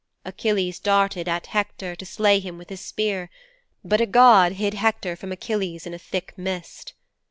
Achilles darted at Hector to slay him with his spear. But a god hid Hector from Achilles in a thick mist.'